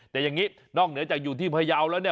แต่อย่างนี้นอกเหนือจากอยู่ที่พยาวแล้วเนี่ย